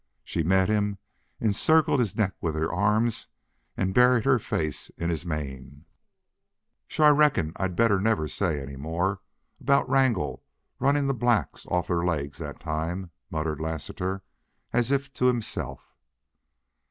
She met him, encircled his neck with her arms, and buried her face in his mane. "Shore I reckon I'd better never say any more about Wrangle runnin' the blacks off their legs thet time," muttered Lassiter, as if to himself.